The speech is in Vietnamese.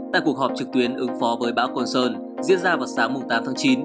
tại cuộc họp trực tuyến ứng phó với bão côn sơn diễn ra vào sáng tám tháng chín